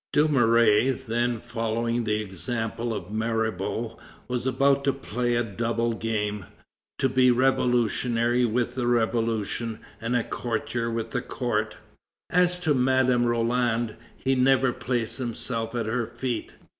Dumouriez then, following the example of Mirabeau, was about to play a double game; to be revolutionary with the Revolution and a courtier with the court. As to Madame Roland, he never placed himself at her feet.